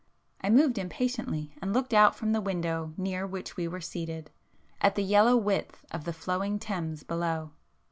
I moved impatiently, and looked out from the window near which we were seated, at the yellow width of the flowing Thames below.